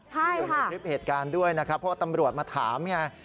อยู่ในคลิปเหตุการณ์ด้วยนะครับเพราะตำรวจมาถามไง